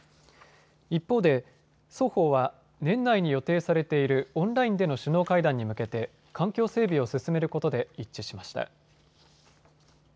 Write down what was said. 一方で双方は年内に予定されているオンラインでの首脳会談に向けて環境整備を進めることで一致しました。